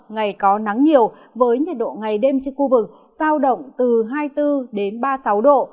ngày có nắng nhiều với nhiệt độ ngày đêm trên khu vực giao động từ hai mươi bốn đến ba mươi sáu độ